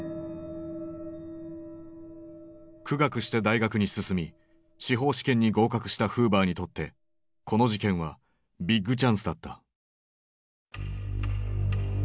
苦学して大学に進み司法試験に合格したフーバーにとってこの事件はビッグチャンスだった。